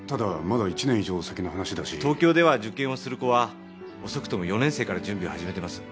ただまだ１東京では受験をする子は遅くても４年生から準備を始めてます。